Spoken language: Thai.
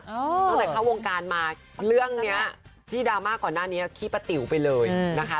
ตั้งแต่เข้าวงการมาเรื่องนี้ที่ดราม่าก่อนหน้านี้ขี้ปะติ๋วไปเลยนะคะ